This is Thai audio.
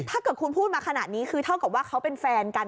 ถ้าเกิดคุณพูดมาขนาดนี้คือเท่ากับว่าเขาเป็นแฟนกัน